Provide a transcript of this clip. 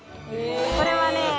これはね